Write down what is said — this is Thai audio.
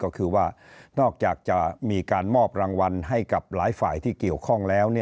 ก็คือว่านอกจากจะมีการมอบรางวัลให้กับหลายฝ่ายที่เกี่ยวข้องแล้ว